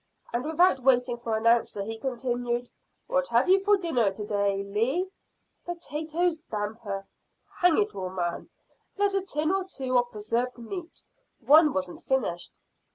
and without waiting for an answer, he continued, "What have you for dinner to day, Lee?" "Potatoes damper " "Hang it all, man! There's a tin or two of preserved meat. One wasn't finished."